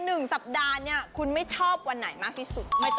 นึงสัปดาห์มีเจ็ดวันครับ